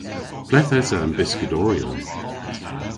Ple'th esa an byskadoryon?